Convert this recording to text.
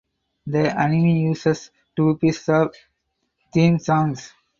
The anime uses two pieces of theme songs.